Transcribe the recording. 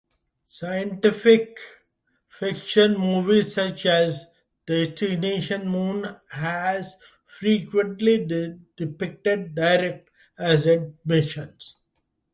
Science fiction movies such as "Destination Moon" had frequently depicted direct ascent missions.